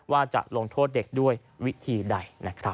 ว่าจะลงโทษเด็กด้วยวิธีใดนะครับ